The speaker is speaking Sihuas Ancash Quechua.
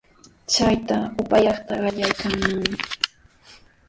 Shatu upyayta qallaykannami.